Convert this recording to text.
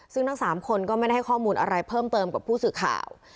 ซึ่งทั้ง๓คนก็ไม่ได้ให้ข้อมูลอะไรเพิ่มเติมกับผู้สื่อข่าว